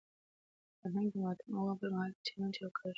فرهنګ د ماتم او غم پر مهال د چلند چوکاټ ښيي.